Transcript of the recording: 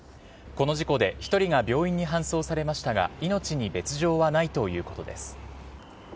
この事故で１人が病院に搬送されましたが命に別条はないということです。